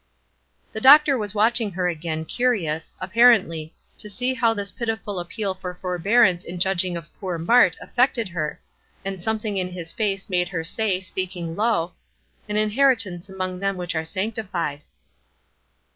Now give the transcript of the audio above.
The doctor was watching her again, curious, apparently, to see how this pitiful appeal for forbearance in judging of poor Mart affected her, and something in his face made her say, speaking low, "an inheritance among them which are sanctified."